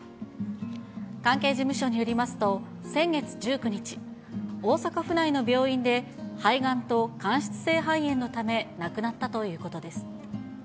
関係事務所によりますと、先月１９日、大阪府内の病院で肺がんと間質性肺炎のため、亡くなったということです。